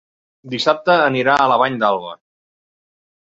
Dissabte anirà a la Vall d'Alba.